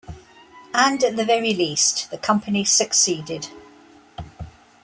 And, at the very least, the company succeeded.